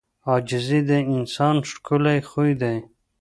• عاجزي د انسان ښکلی خوی دی.